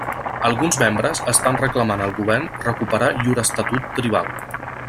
Alguns membres estan reclamant al govern recuperar llur estatut tribal.